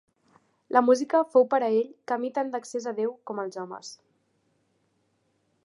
La música fou per a ell camí tant d'accés a Déu com als homes.